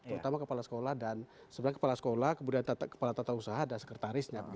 terutama kepala sekolah dan sebenarnya kepala sekolah kemudian tata kepala tata usaha dan sekretarisnya